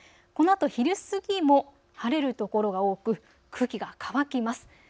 このあと昼過ぎも晴れる所が多く空気が乾きます。